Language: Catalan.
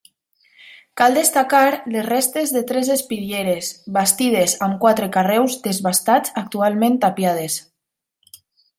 Cal destacar, les restes de tres espitlleres, bastides amb quatre carreus desbastats, actualment tapiades.